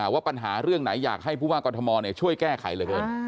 ว่าปัญหาเรื่องไหนอยากให้ผู้ว่ากรทมช่วยแก้ไขเหลือเกิน